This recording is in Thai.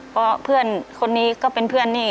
เพราะเพื่อนคนนี้ก็เป็นเพื่อนนี่